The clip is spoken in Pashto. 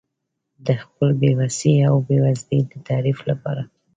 د خپل بې وسۍ او بېوزلۍ د تعریف لپاره.